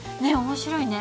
面白いね。